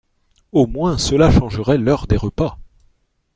Au moins cela changerait l'heure des repas !